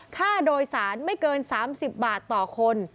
ค่าโดยสารไม่เกิน๓๐บาทต่อคน